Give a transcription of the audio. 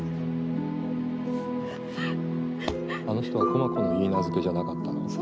あの人は駒子のいいなずけじゃなかったの？